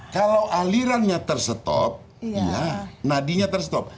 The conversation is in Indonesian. kalau alirannya terstop nadinya terstop